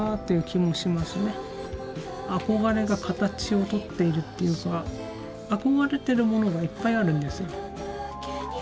憧れが形をとっているっていうか憧れてるものがいっぱいあるんですよ。